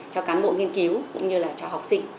cho cán bộ nghiên cứu cũng như là cho học sinh